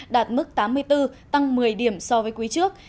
đạt mức tám mươi bốn tăng một mươi điểm so với quý trước